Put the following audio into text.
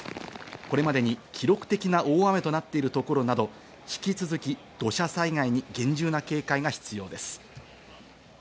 これまでに記録的な大雨となっているところなど、続き、土砂災害に厳重な警戒が必要です。